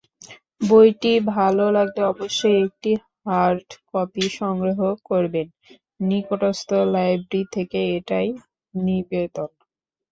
বইটি ভালো লাগলে অবশ্যই একটি হার্ডকপি সংগ্রহ করবেন নিকটস্থ লাইব্রেরী থেকে- এটাই নিবেদন।